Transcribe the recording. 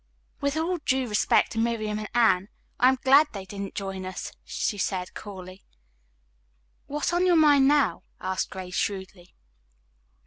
"With all due respect to Miriam and Anne, I am glad they didn't join us," she said coolly. "What is on your mind now?" asked Grace shrewdly.